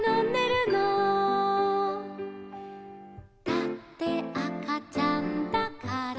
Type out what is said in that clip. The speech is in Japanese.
「だってあかちゃんだから」